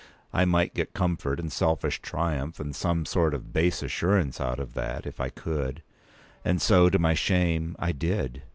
I might get comfort, and selfish triumph, and some sort of base assurance out of that, if I could. And so, to my shame, I did.